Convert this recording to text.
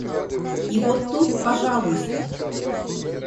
И вот тут, пожалуйста!..